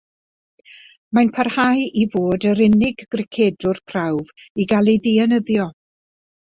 Mae'n parhau i fod yr unig gricedwr Prawf i gael ei ddienyddio.